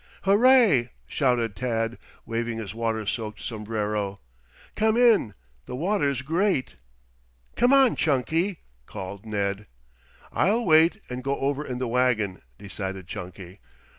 "Hooray!" shouted Tad, waving his water soaked sombrero. "Come in. The water's great!" "Come on, Chunky," called Ned. "I'll wait and go over in the wagon," decided Chunky.